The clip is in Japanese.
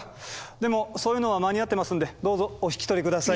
でもそういうのは間に合ってますんでどうぞお引き取り下さい。